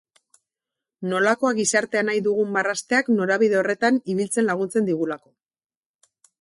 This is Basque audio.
Nolakoa gizartea nahi dugun marrazteak norabide horretan ibiltzen laguntzen digulako.